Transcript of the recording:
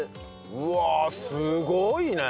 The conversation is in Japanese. うわすごいね！